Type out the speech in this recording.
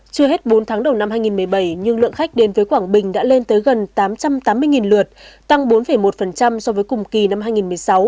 chưa hết bốn tháng đầu năm hai nghìn một mươi bảy nhưng lượng khách đến với quảng bình đã lên tới gần tám trăm tám mươi lượt tăng bốn một so với cùng kỳ năm hai nghìn một mươi sáu